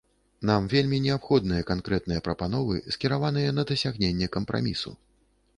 Нам вельмі неабходныя канкрэтныя прапановы, скіраваныя на дасягненне кампрамісу.